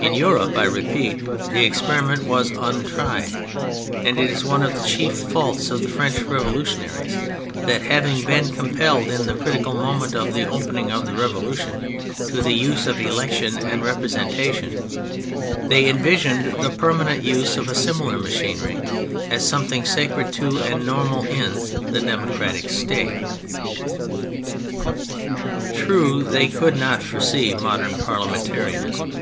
In Europe, I repeat, the experiment was untried; and it is one of the chief faults of the French revolutionaries that, having been compelled in the critical moment of the opening of the Revolution to the use of election and representation, they envisaged the permanent use of a similar machinery as a something sacred to and normal in the democratic State. True, they could not foresee modem parlia mentarism.